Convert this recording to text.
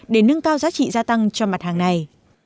để nâng cao giá trị gia tăng cho mặt hàng này